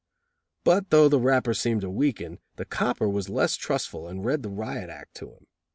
But though the rapper seemed to weaken, the copper was less trustful and read the riot act to him.